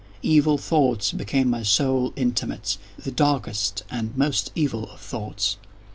Evil thoughts became my sole intimates—the darkest and most evil of thoughts.